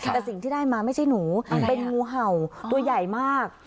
แต่สิ่งที่ได้มาไม่ใช่หนูเป็นงูเห่าตัวใหญ่มาก